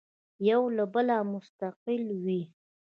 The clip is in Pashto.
یو له بله مستقل وي.